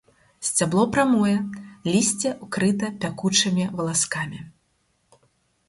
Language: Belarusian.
Сцябло прамое, лісце ўкрыта пякучымі валаскамі.